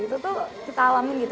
itu tuh kita alamin gitu